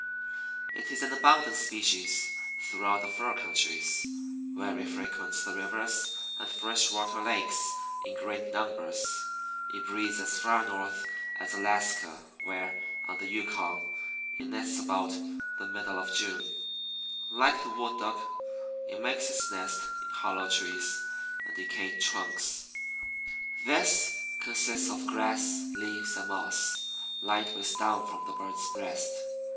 It is an abundant species throughout the fur countries, where it frequents the rivers and fresh water lakes in great numbers. It breeds as far north as Alaska, where, on the Yukon, it nests about the middle of June. Like the Wood Duck, it makes its nest in hollow trees and decayed trunks. This consists of grass, leaves, and moss, lined with down from the bird's breast.